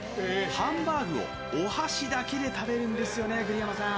ハンバーグをお箸だけで食べるんですよね、栗山さん。